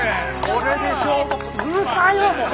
これで消防うるさいよもう！